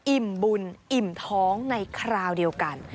อิ่มบุญอิ่มท้องในคราวเดียวกัน